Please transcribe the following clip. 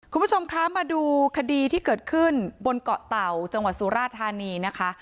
คุณผู้ชมคะมาดูคดีที่เกิดขึ้นบนเกาะเต่าจังหวัดสุราธานีนะคะ